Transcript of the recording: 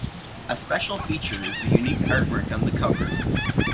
A special feature is the unique artwork on the cover.